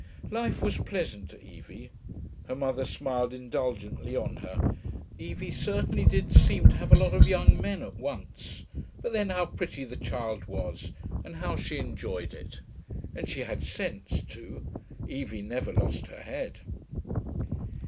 Life was pleasant to Evie. Her mother smiled indulgently on her. Evie certainly did seem to have a lot of young men at once, but then how pretty the child was, and how she enjoyed it. And she had sense, too; Evie never lost her head.